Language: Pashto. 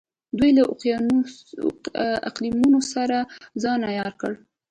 دوی له اقلیمونو سره ځان عیار کړ.